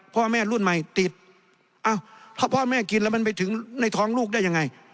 พ่อแม่รุ่นใหม่ติดเอ้าพ่อแม่กินแล้วมันไปถึงในท้องลูกได้ยังไง